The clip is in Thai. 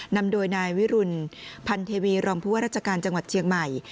นำโดยนายวิรุณพันเทวีรองผู้ว่าราชการจังหวัดเชียงใหม่